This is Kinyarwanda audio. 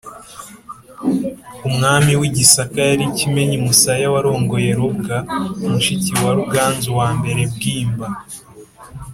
Umwami w’i Gisaka yari Kimenyi Musaya warongoye Robwa, mushiki wa Ruganzu wa I Bwimba.